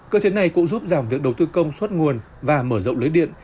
cơ chế này cũng giúp giảm việc đầu tư công suất nguồn và mở rộng lưới điện